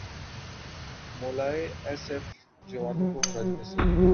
مولا A S F جوانوں کو خراج تحسین